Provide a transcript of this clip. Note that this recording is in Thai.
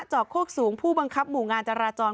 อกโคกสูงผู้บังคับหมู่งานจราจร